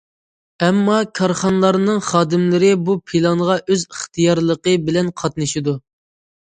ئەمما، كارخانىلارنىڭ خادىملىرى بۇ پىلانغا ئۆز ئىختىيارلىقى بىلەن قاتنىشىدۇ.